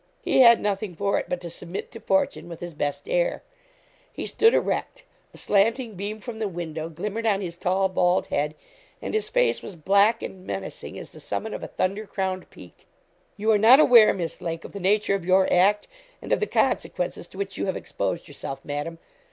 He had nothing for it but to submit to fortune with his best air. He stood erect; a slanting beam from the window glimmered on his tall, bald head, and his face was black and menacing as the summit of a thunder crowned peak. 'You are not aware, Miss Lake, of the nature of your act, and of the consequences to which you have exposed yourself, Madam.